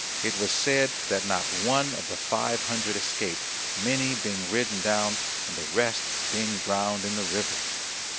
It was said that not one of the five hundred escaped, many being ridden down, and the rest being drowned in the river.